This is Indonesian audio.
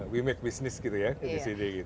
we make business gitu ya di sini